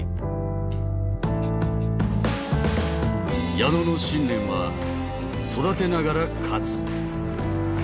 矢野の信念は「育てながら勝つ」。